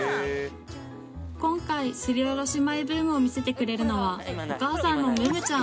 今回すりおろしマイブームを見せてくれるのはお母さんのムムちゃん